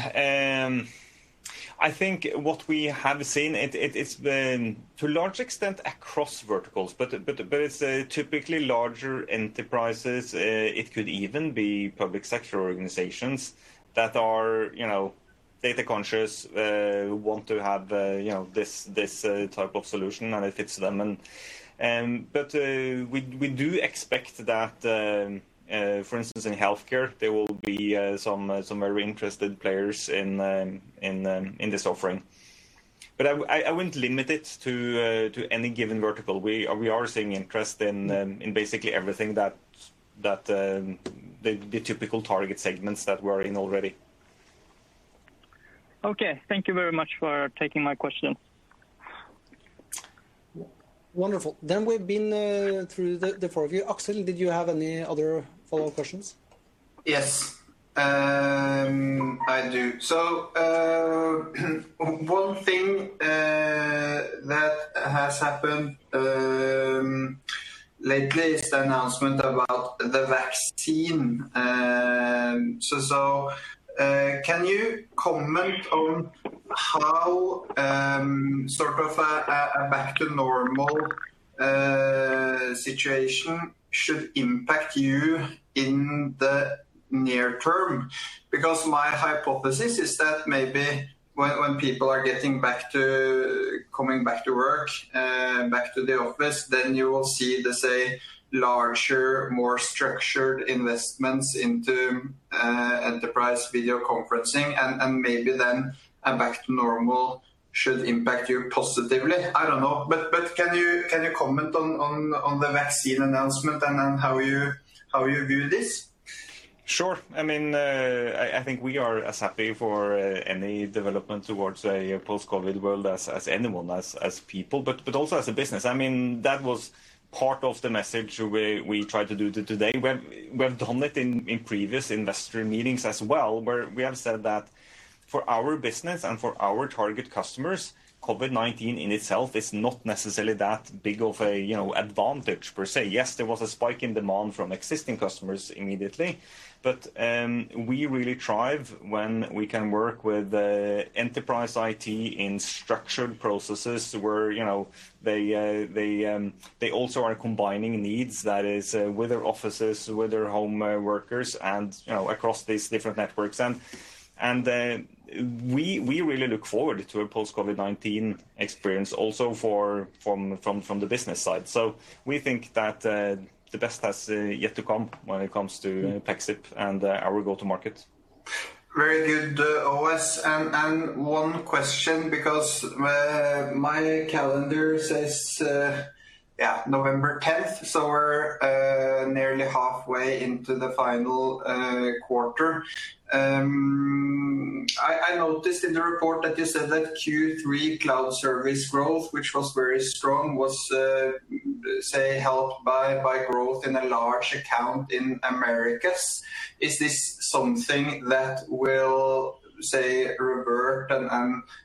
I think what we have seen, it's been to a large extent across verticals, but it's typically larger enterprises. It could even be public sector organizations that are data conscious, who want to have this type of solution, and it fits them. We do expect that, for instance, in healthcare, there will be some very interested players in this offering. I wouldn't limit it to any given vertical. We are seeing interest in basically everything that the typical target segments that we're in already. Okay. Thank you very much for taking my question. Wonderful. We've been through the four of you. Aksel, did you have any other follow-up questions? Yes, I do. One thing that has happened lately is the announcement about the vaccine. Can you comment on how sort of a back to normal situation should impact you in the near term? My hypothesis is that maybe when people are getting back to coming back to work, back to the office, you will see larger, more structured investments into enterprise video conferencing, maybe a back to normal should impact you positively. I don't know. Can you comment on the vaccine announcement and how you view this? Sure. I think we are as happy for any development towards a post-COVID-19 world as anyone, as people, but also as a business. That was part of the message we tried to do today. We've done it in previous investor meetings as well, where we have said that for our business and for our target customers, COVID-19 in itself is not necessarily that big of an advantage per se. Yes, there was a spike in demand from existing customers immediately, but we really thrive when we can work with enterprise IT in structured processes where they also are combining needs, that is, with their offices, with their home workers, and across these different networks. We really look forward to a post-COVID-19 experience also from the business side. We think that the best has yet to come when it comes to Pexip and our go to market. Very good, OS. One question, because my calendar says November 10th, so we're nearly halfway into the final quarter. I noticed in the report that you said that Q3 cloud service growth, which was very strong, was, say, helped by growth in a large account in Americas. Is this something that will, say, revert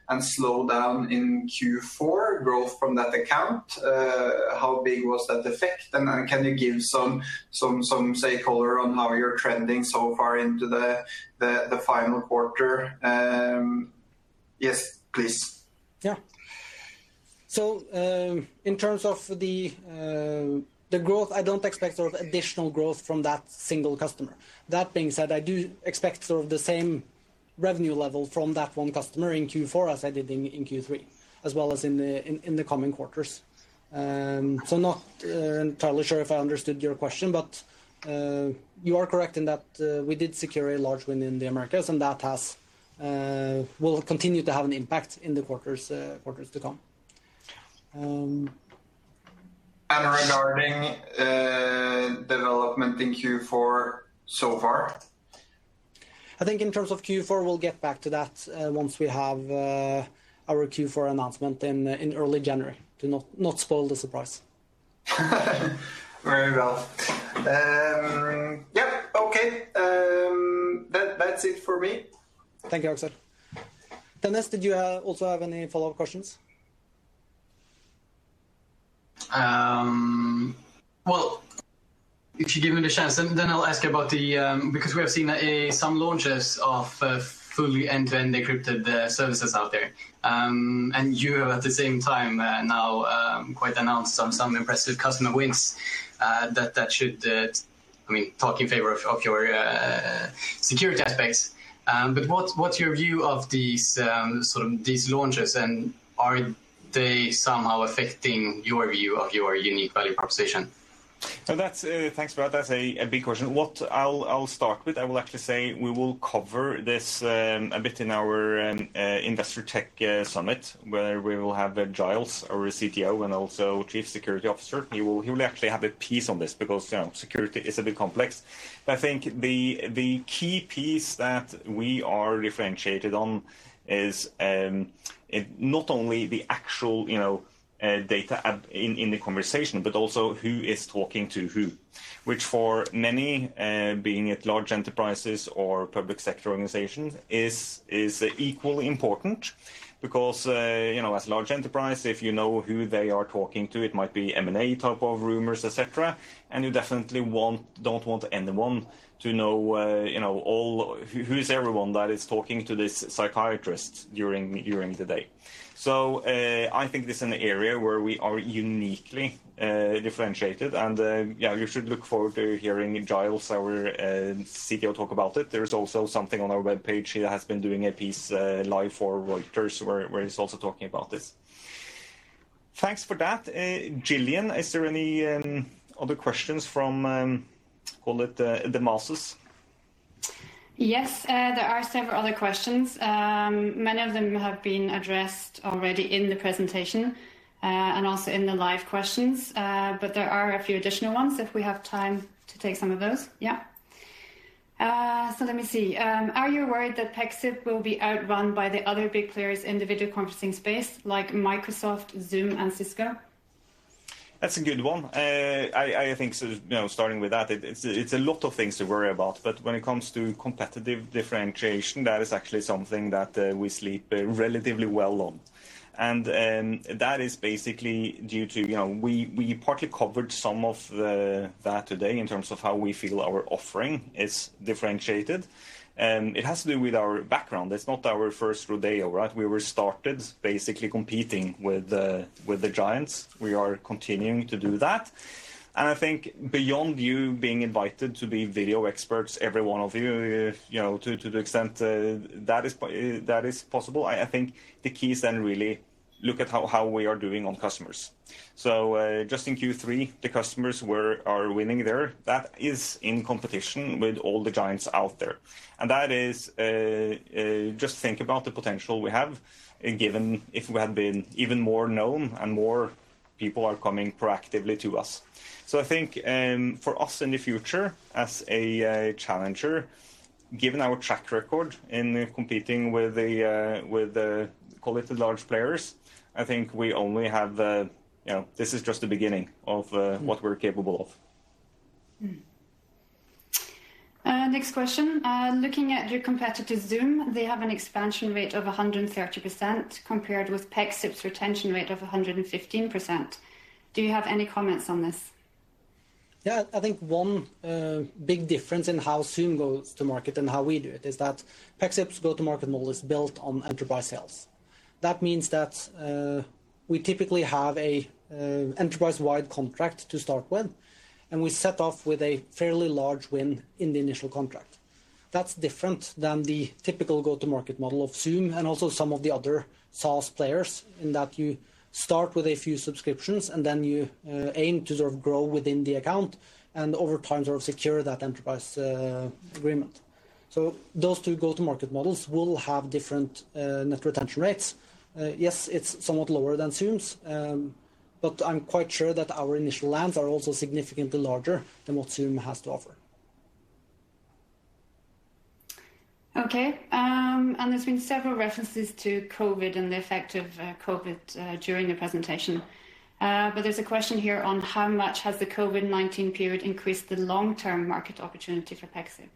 and slow down in Q4 growth from that account? How big was that effect? Can you give some, say, color on how you're trending so far into the final quarter? Yes, please. Yeah. In terms of the growth, I don't expect additional growth from that single customer. That being said, I do expect the same revenue level from that one customer in Q4 as I did in Q3, as well as in the coming quarters. Not entirely sure if I understood your question, but you are correct in that we did secure a large win in the Americas, and that will continue to have an impact in the quarters to come. Regarding development in Q4 so far? I think in terms of Q4, we'll get back to that once we have our Q4 announcement in early January. To not spoil the surprise. Very well. Yep, okay. That's it for me. Thank you, Aksel. Dennis, did you also have any follow-up questions? If you give me the chance, I'll ask you about Because we have seen some launches of fully end-to-end encrypted services out there. You have, at the same time now quite announced some impressive customer wins that should talk in favor of your security aspects. What's your view of these launches, and are they somehow affecting your view of your unique value proposition? That's, thanks for that. That's a big question. What I'll start with, I will actually say we will cover this a bit in our investor tech summit, where we will have Giles, our CTO and also Chief Security Officer. He will actually have a piece on this because security is a bit complex. I think the key piece that we are differentiated on is, not only the actual data in the conversation, but also who is talking to who. Which for many, being it large enterprises or public sector organizations, is equally important because, as a large enterprise, if you know who they are talking to, it might be M&A type of rumors, et cetera, and you definitely don't want anyone to know who's everyone that is talking to this psychiatrist during the day. I think this is an area where we are uniquely differentiated. Yeah, you should look forward to hearing Giles, our CTO, talk about it. There is also something on our webpage. He has been doing a piece live for Reuters, where he's also talking about this. Thanks for that. Gillian, are there any other questions from, call it, the masses? Yes, there are several other questions. Many of them have been addressed already in the presentation, and also in the live questions. There are a few additional ones if we have time to take some of those. Yeah. Let me see. Are you worried that Pexip will be outrun by the other big players in the video conferencing space, like Microsoft, Zoom and Cisco? That's a good one. Starting with that, it's a lot of things to worry about, but when it comes to competitive differentiation, that is actually something that we sleep relatively well on. That is basically due to, we partly covered some of that today in terms of how we feel our offering is differentiated. It has to do with our background. It's not our first rodeo, right? We were started basically competing with the giants. We are continuing to do that. I think beyond you being invited to be video experts, every one of you, to the extent that is possible. I think the key is really look at how we are doing on customers. Just in Q3, the customers are winning there. That is in competition with all the giants out there. That is, just think about the potential we have, given if we had been even more known and more people are coming proactively to us. I think for us in the future, as a challenger, given our track record in competing with call it the large players, I think this is just the beginning of what we're capable of. Next question. Looking at your competitor, Zoom, they have an expansion rate of 130% compared with Pexip's retention rate of 115%. Do you have any comments on this? Yeah. I think one big difference in how Zoom goes to market and how we do it is that Pexip's go-to-market model is built on enterprise sales. That means that we typically have an enterprise-wide contract to start with, and we set off with a fairly large win in the initial contract. That's different than the typical go-to-market model of Zoom, and also some of the other SaaS players, in that you start with a few subscriptions, and then you aim to sort of grow within the account, and over time, sort of secure that enterprise agreement. Those two go-to-market models will have different net retention rates. Yes, it's somewhat lower than Zoom's. I'm quite sure that our initial lands are also significantly larger than what Zoom has to offer. Okay. There's been several references to COVID and the effect of COVID during the presentation. There's a question here on how much has the COVID-19 period increased the long-term market opportunity for Pexip?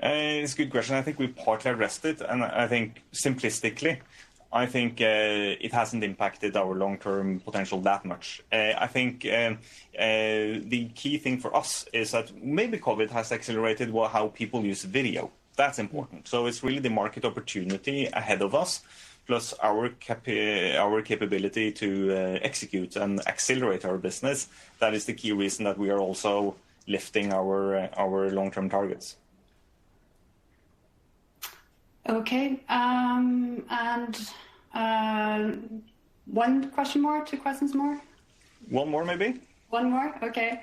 It's a good question. I think we partly addressed it. I think simplistically, I think it hasn't impacted our long-term potential that much. I think the key thing for us is that maybe COVID has accelerated how people use video. That's important. It's really the market opportunity ahead of us, plus our capability to execute and accelerate our business. That is the key reason that we are also lifting our long-term targets. Okay. One question more, two questions more? One more, maybe. One more? Okay.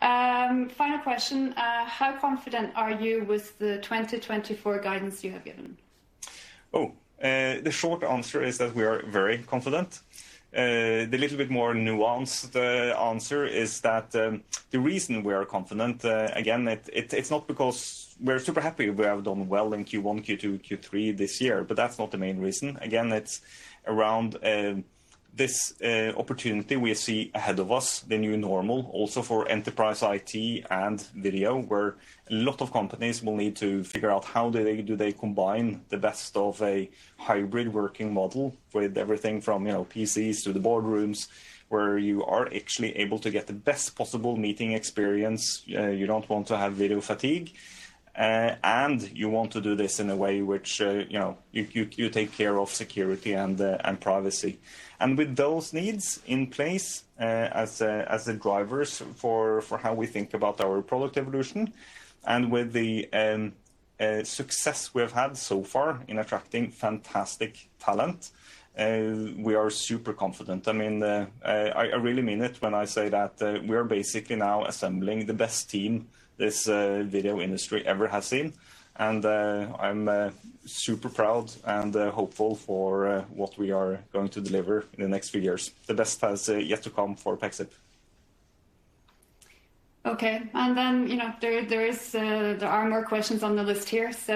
Final question. How confident are you with the 2024 guidance you have given? The short answer is that we are very confident. The little bit more nuanced answer is that the reason we are confident, again, it's not because we're super happy we have done well in Q1, Q2, Q3 this year, but that's not the main reason. Again, it's around this opportunity we see ahead of us, the new normal, also for enterprise IT and video, where a lot of companies will need to figure out how do they combine the best of a hybrid working model with everything from PCs to the boardrooms, where you are actually able to get the best possible meeting experience. You don't want to have video fatigue, you want to do this in a way which you take care of security and privacy. With those needs in place as the drivers for how we think about our product evolution and with the success we've had so far in attracting fantastic talent, we are super confident. I really mean it when I say that we are basically now assembling the best team this video industry ever has seen. I'm super proud and hopeful for what we are going to deliver in the next few years. The best has yet to come for Pexip. Okay. There are more questions on the list here. Just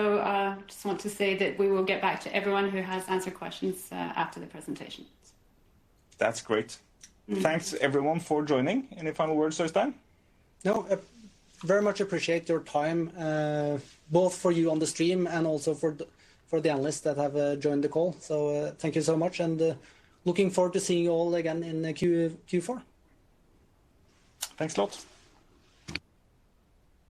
want to say that we will get back to everyone who has answered questions after the presentation. That's great. Thanks everyone for joining. Any final words, Øystein? No, I very much appreciate your time, both for you on the stream and also for the analysts that have joined the call. Thank you so much and looking forward to seeing you all again in Q4. Thanks a lot.